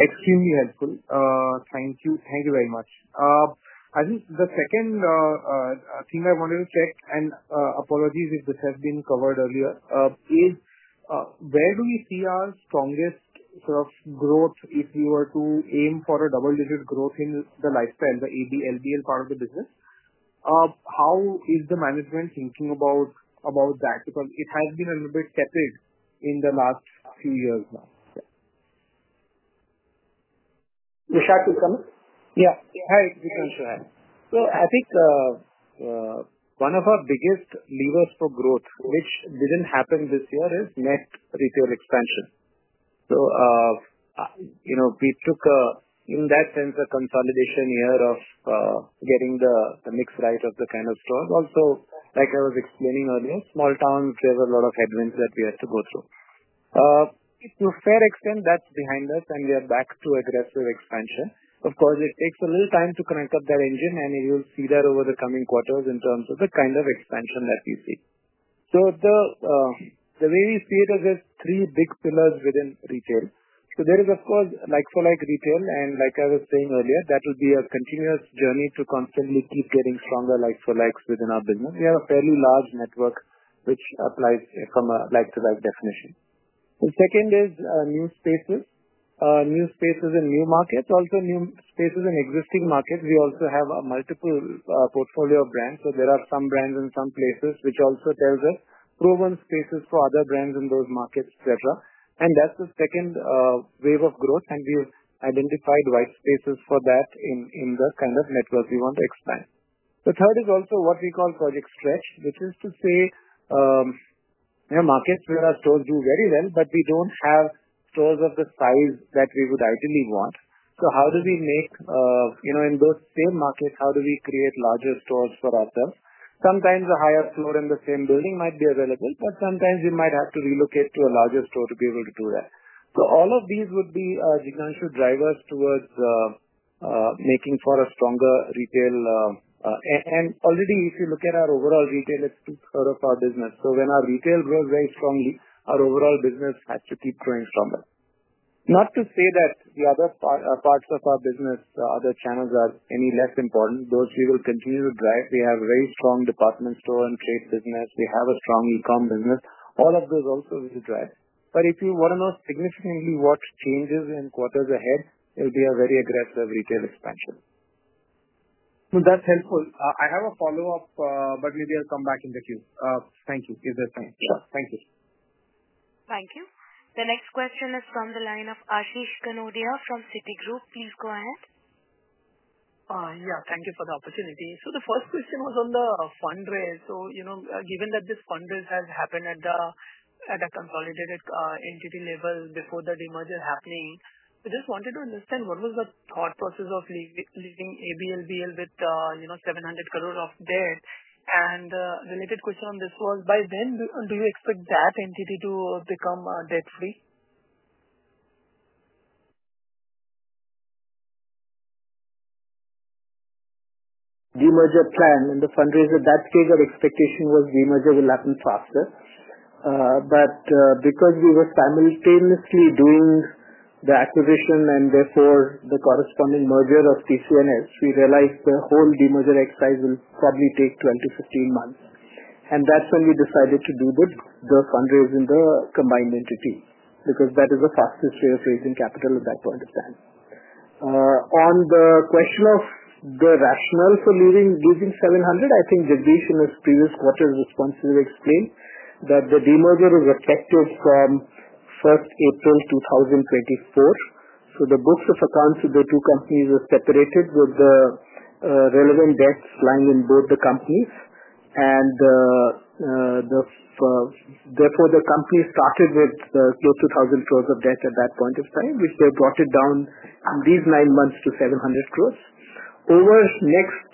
[SPEAKER 11] extremely helpful. Thank you. Thank you very much. I think the second thing I wanted to check, and apologies if this has been covered earlier, is where do we see our strongest sort of growth if we were to aim for a double-digit growth in the Lifestyle, the ABLBL part of the business? How is the management thinking about that? Because it has been a little bit tepid in the last few years now. Vishak is coming?
[SPEAKER 4] Yeah. Hi, Jignashu. Hi. So, I think one of our biggest levers for growth, which didn't happen this year, is net retail expansion. So, we took, in that sense, a consolidation year of getting the mix right of the kind of stores. Also, like I was explaining earlier, small towns, there were a lot of headwinds that we had to go through. To a fair extent, that's behind us, and we are back to aggressive expansion. Of course, it takes a little time to connect up that engine, and you'll see that over the coming quarters in terms of the kind of expansion that we see. So, the way we see it is there's three big pillars within retail. So, there is, of course, like-to-like retail, and like I was saying earlier, that will be a continuous journey to constantly keep getting stronger like-to-likes within our business. We have a fairly large network, which applies from a like-to-like definition. The second is new spaces, new spaces in new markets, also new spaces in existing markets. We also have a multiple portfolio of brands. So, there are some brands in some places, which also tells us proven spaces for other brands in those markets, etc. And that's the second wave of growth, and we've identified white spaces for that in the kind of network we want to expand. The third is also what we call Project Stretch, which is to say markets where our stores do very well, but we don't have stores of the size that we would ideally want. So, how do we make in those same markets, how do we create larger stores for ourselves? Sometimes a higher floor in the same building might be available, but sometimes you might have to relocate to a larger store to be able to do that. So, all of these would be Jignesh drivers towards making for a stronger retail. And already, if you look at our overall retail, it's two-thirds of our business. So, when our retail grows very strongly, our overall business has to keep growing stronger. Not to say that the other parts of our business, other channels are any less important. Those we will continue to drive. We have a very strong department store and trade business. We have a strong e-com business. All of those also will drive. But if you want to know significantly what changes in quarters ahead, it will be a very aggressive retail expansion.
[SPEAKER 11] So, that's helpful. I have a follow-up, but maybe I'll come back in the queue. Thank you. Is that fine? Sure. Thank you.
[SPEAKER 1] Thank you. The next question is from the line of Ashish Kanodia from Citigroup. Please go ahead.
[SPEAKER 12] Yeah. Thank you for the opportunity. So, the first question was on the fundraise. Given that this fundraise has happened at a consolidated entity level before the demerger happening, we just wanted to understand what was the thought process of leaving ABLBL with 700 crores of debt. And the related question on this was, by when do you expect that entity to become debt-free?
[SPEAKER 2] Demerger plan and the fundraiser, that period of expectation was demerger will happen faster. But because we were simultaneously doing the acquisition and therefore the corresponding merger of TCNS, we realized the whole demerger exercise will probably take 12-15 months. And that's when we decided to do the fundraising in the combined entity because that is the fastest way of raising capital at that point of time. On the question of the rationale for leaving 700 crores, I think [inaudible] previous quarter responsibly explained that the demerger is effective from 1st April 2024. The books of accounts of the two companies are separated with the relevant debts lying in both the companies. And therefore, the company started with 2,000 crores of debt at that point of time, which they brought it down in these nine months to 700 crores. Over the next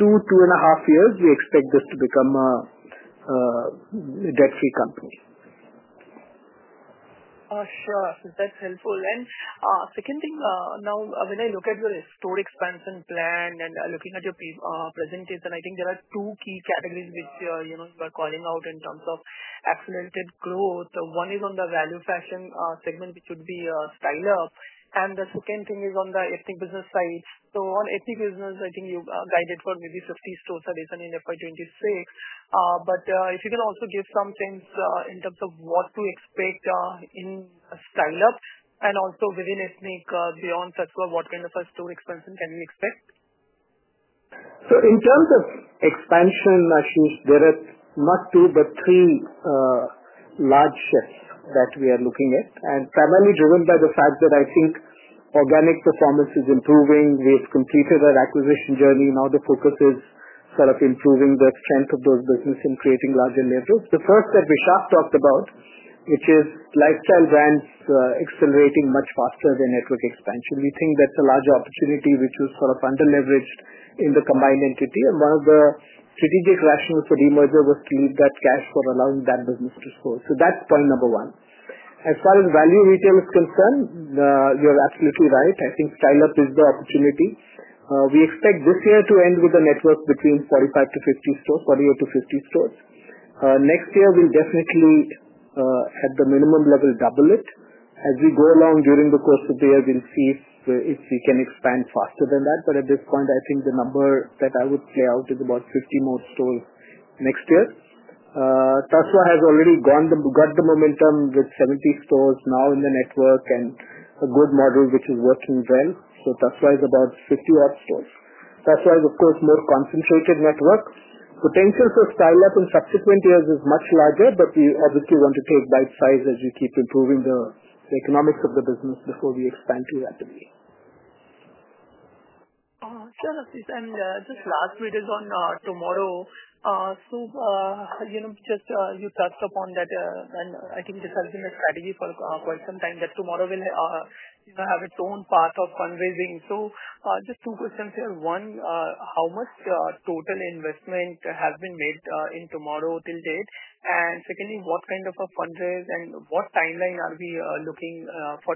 [SPEAKER 2] two, two and a half years, we expect this to become a debt-free company.
[SPEAKER 12] Sure. That's helpful. And second thing, now when I look at your store expansion plan and looking at your presentation, I think there are two key categories which you are calling out in terms of accelerated growth. One is on the value-fashion segment, which would be Style Up. And the second thing is on the ethnic business side. So, on ethnic business, I think you guided for maybe 50 stores in FY 2026. But if you can also give some sense in terms of what to expect in Style Up and also within ethnic make, beyond Tasva, what kind of a store expansion can we expect?
[SPEAKER 2] So, in terms of expansion, Ashish, there are not two, but three large shifts that we are looking at. And primarily driven by the fact that I think organic performance is improving. We've completed our acquisition journey. Now the focus is sort of improving the strength of those businesses and creating larger levers. The first that Vishak talked about, which is Lifestyle brands accelerating much faster than network expansion. We think that's a larger opportunity which was sort of under-leveraged in the combined entity. And one of the strategic rationales for demerger was to leave that cash for allowing that business to score. So, that's point number one. As far as value retail is concerned, you're absolutely right. I think Style Up is the opportunity. We expect this year to end with a network between 45-50 stores, 48-50 stores. Next year, we'll definitely, at the minimum level, double it. As we go along during the course of the year, we'll see if we can expand faster than that. But at this point, I think the number that I would play out is about 50 more stores next year. Tasva has already got the momentum with 70 stores now in the network and a good model which is working well. So, Tasva is about 50-odd stores. Tasva is, of course, more concentrated network. Potential for Style Up in subsequent years is much larger, but we obviously want to take bite size as we keep improving the economics of the business before we expand too rapidly.
[SPEAKER 12] Sure. And just last bit is on TMRW. Just you touched upon that, and I think this has been a strategy for quite some time that TMRW will have its own path of fundraising. Just two questions here. One, how much total investment has been made in TMRW till date? And secondly, what kind of a fundraise and what timeline are we looking for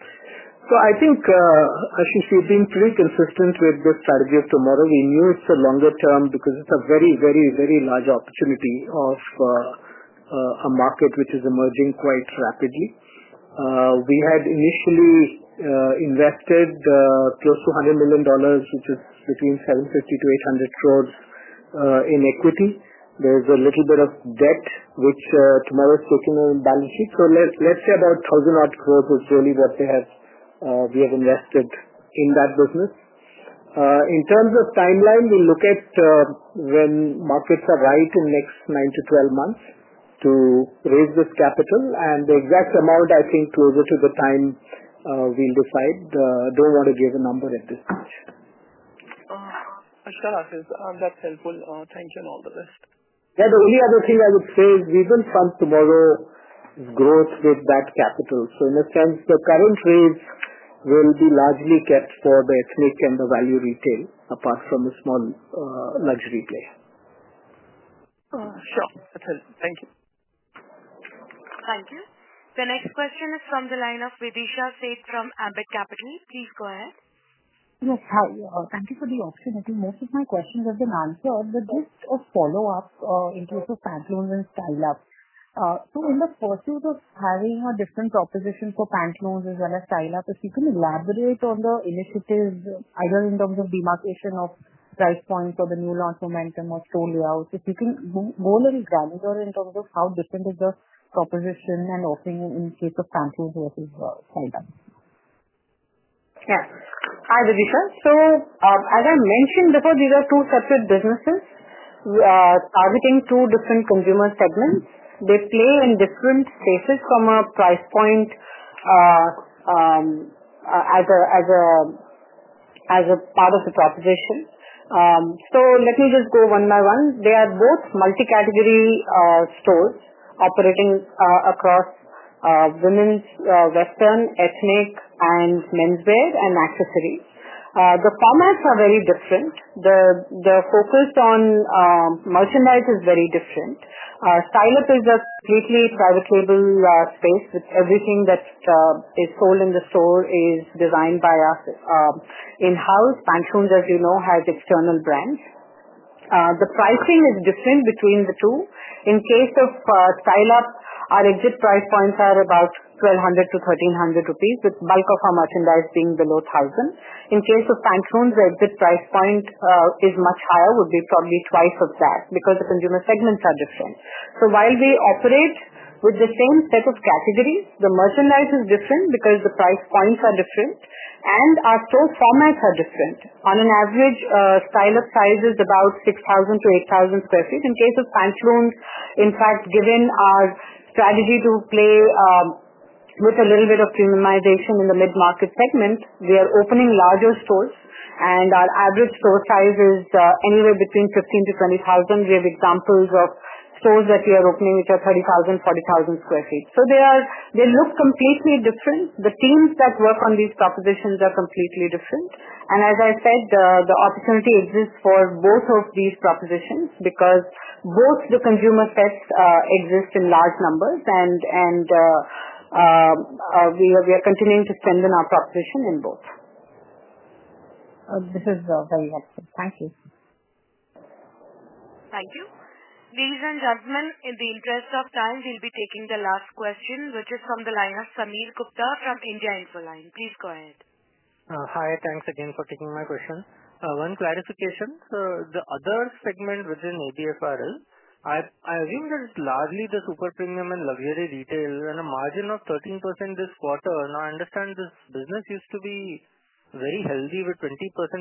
[SPEAKER 12] TMRW?
[SPEAKER 2] I think, Ashish, we've been pretty consistent with the strategy of TMRW. We knew it's a longer term because it's a very, very, very large opportunity of a market which is emerging quite rapidly. We had initially invested close to $100 million, which is between 750-800 crores in equity. There's a little bit of debt, which TMRW is taken on the balance sheet. Let's say about 1,000-odd crores is really what we have invested in that business. In terms of timeline, we'll look at when markets are right in the next nine to 12 months to raise this capital. And the exact amount, I think, closer to the time we'll decide. I don't want to give a number at this stage.
[SPEAKER 12] Sure. That's helpful. Thank you on all the rest.
[SPEAKER 2] Yeah. The only other thing I would say is we will fund TMRW's growth with that capital. So, in a sense, the current rates will be largely kept for the ethnic and the value retail apart from the small luxury player.
[SPEAKER 12] Sure. That's helpful. Thank you.
[SPEAKER 1] Thank you. The next question is from the line of Videesha Sheth from Ambit Capital. Please go ahead.
[SPEAKER 13] Yes. Hi. Thank you for the opportunity. Most of my questions have been answered, but just a follow-up in terms of Pantaloons and Style Up. In the pursuit of having a different proposition for Pantaloons as well as Style Up, if you can elaborate on the initiative, either in terms of demarcation of price points or the new launch momentum or store layout, if you can go a little granular in terms of how different is the proposition and offering in the case of Pantaloons versus Style Up?
[SPEAKER 5] Yeah. Hi, Videesha. So, as I mentioned before, these are two separate businesses targeting two different consumer segments. They play in different spaces from a price point as a part of the proposition. So, let me just go one by one. They are both multi-category stores operating across women's western, ethnic, and menswear and accessories. The formats are very different. The focus on merchandise is very different. Style Up is a completely private label space, with everything that is sold in the store designed by us in-house. Pantaloons, as you know, has external brands. The pricing is different between the two. In case of Style Up, our exit price points are about INR 1,200-INR 1,300, with bulk of our merchandise being below INR 1,000. In case of Pantaloons, the exit price point is much higher, would be probably twice of that because the consumer segments are different. So, while we operate with the same set of categories, the merchandise is different because the price points are different, and our store formats are different. On an average, Style Up size is about 6,000 sq ft-8,000 sq ft. In case of Pantaloons, in fact, given our strategy to play with a little bit of premiumization in the mid-market segment, we are opening larger stores, and our average store size is anywhere between 15,000 sq ft-20,000 sq ft. We have examples of stores that we are opening, which are 30,000, 40,000 sq ft. So, they look completely different. The teams that work on these propositions are completely different. And as I said, the opportunity exists for both of these propositions because both the consumer sets exist in large numbers, and we are continuing to strengthen our proposition in both.
[SPEAKER 13] This is very helpful. Thank you.
[SPEAKER 1] Thank you. Ladies and gentlemen, in the interest of time, we'll be taking the last question, which is from the line of Sameer Gupta from India Infoline. Please go ahead.
[SPEAKER 8] Hi. Thanks again for taking my question. One clarification. So, the other segment within ABFRL, I assume that it's largely the super premium and luxury retail and a margin of 13% this quarter. Now, I understand this business used to be very healthy with 20%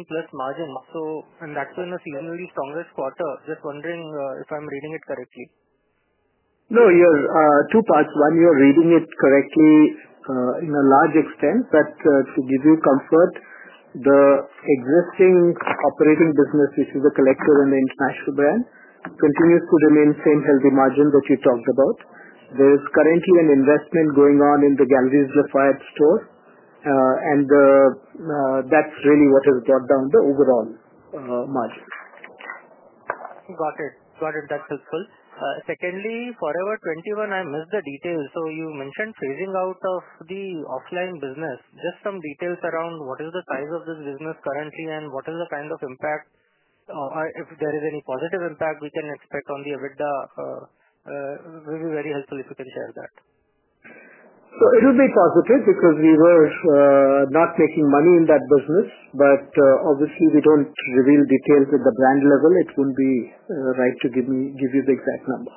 [SPEAKER 8] plus margin. So, and that's in a seasonally stronger quarter. Just wondering if I'm reading it correctly.
[SPEAKER 2] No, you're two parts. One, you're reading it correctly in a large extent. But to give you comfort, the existing operating business, which is The Collective and an international brand, continues to remain same healthy margin that you talked about. There is currently an investment going on in the Galeries Lafayette store, and that's really what has brought down the overall margin.
[SPEAKER 8] Got it. Got it. That's helpful. Secondly, Forever 21, I missed the details. So, you mentioned phasing out of the offline business. Just some details around what is the size of this business currently and what is the kind of impact? If there is any positive impact we can expect on the ABFRL? It would be very helpful if you can share that.
[SPEAKER 2] So, it would be positive because we were not making money in that business, but obviously, we don't reveal details at the brand level. It wouldn't be right to give you the exact number.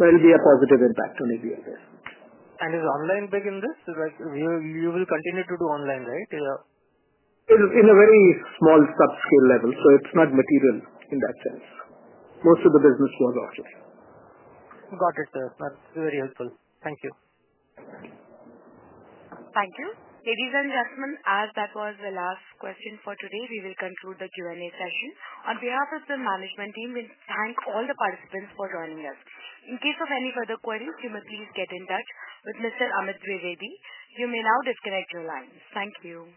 [SPEAKER 2] But it will be a positive impact on ABFRL.
[SPEAKER 8] And is online big in this? You will continue to do online, right?
[SPEAKER 2] In a very small subscale level. So, it's not material in that sense. Most of the business was offline. Got it. That's very helpful. Thank you.
[SPEAKER 1] Thank you. Ladies and gentlemen, as that was the last question for today, we will conclude the Q&A session. On behalf of the management team, we thank all the participants for joining us. In case of any further queries, you may please get in touch with Mr. Amit Dwivedi. You may now disconnect your line. Thank you.